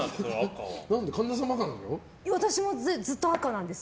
私もずっと赤なんです。